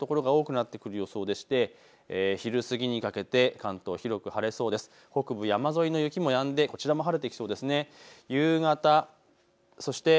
昼前にかけてだんだん晴れる所が多くなってくる予想でして、昼過ぎにかけて関東、広く晴れそうです。